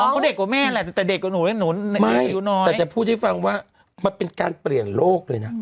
เขาเด็กกว่าแม่แหละแต่เด็กกว่าหนูไม่แต่จะพูดให้ฟังว่ามันเป็นการเปลี่ยนโลกเลยนะ